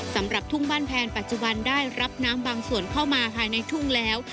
สำหรับทุ่งบ้านแพนปัจจุบันได้รับน้ำบางส่วนเข้ามาภายในทุ่งแล้ว